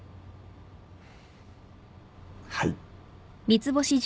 はい。